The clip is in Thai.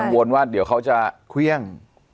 วนว่าเดี๋ยวเขาจะเครื่อง